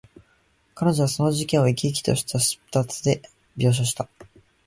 彼女はその事件を、生き生きとした筆致で描写した。